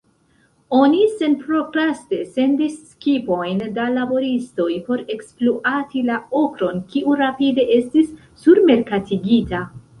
Oni senprokraste sendis skipojn da laboristoj por ekspluati la okron, kiu rapide estis surmerkatigita.